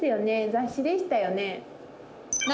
雑誌でしたよね。